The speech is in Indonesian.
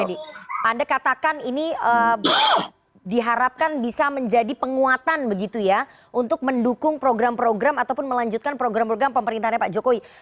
ini anda katakan ini diharapkan bisa menjadi penguatan begitu ya untuk mendukung program program ataupun melanjutkan program program pemerintahnya pak jokowi